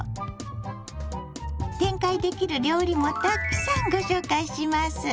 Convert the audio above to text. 展開できる料理もたくさんご紹介します。